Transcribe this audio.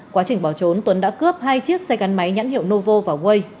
quá trình bỏ trốn tuấn đã cướp hai chiếc xe gắn máy nhãn hiệu novo vào quay